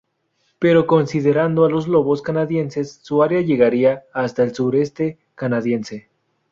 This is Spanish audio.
Pero considerando a los lobos canadienses, su área llegaría hasta el sureste canadiense.